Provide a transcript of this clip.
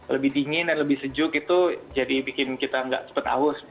lebih dingin dan lebih sejuk itu jadi bikin kita nggak cepet aus